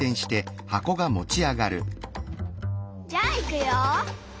じゃあいくよ。